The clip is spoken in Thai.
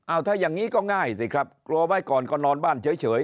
เอาถ้าอย่างนี้ก็ง่ายสิครับกลัวไว้ก่อนก็นอนบ้านเฉย